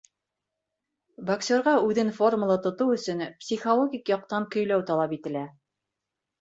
— Боксерға үҙен формала тотоу өсөн психологик яҡтан көйләү талап ителә.